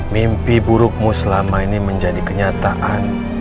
mimpi burukmu selama ini menjadi kenyataan